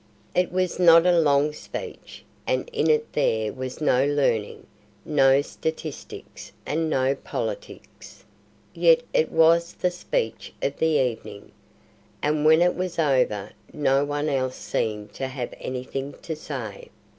It was not a long speech, and in it there was no learning, no statistics, and no politics; yet it was the speech of the evening, and when it was over no one else seemed to have any thing to say.